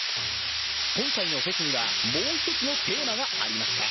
今回のフェスにはもう１つのテーマがありました。